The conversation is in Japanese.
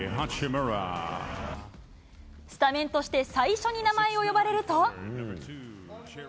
スタメンとして最初に名前を呼ばれると。